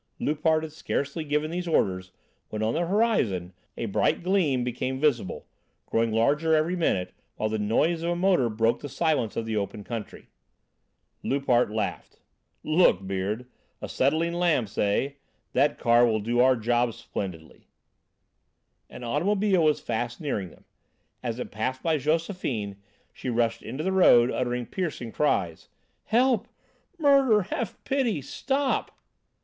Loupart had scarcely given these orders, when, on the horizon, a bright gleam became visible, growing larger every minute, while the noise of a motor broke the silence of the open country. Loupart laughed. "Look, Beard. Acetylene lamps, eh? That car will do our job splendidly." An automobile was fast nearing them. As it passed by Josephine, she rushed into the road, uttering piercing cries. "Help! Murder! Have pity! Stop!"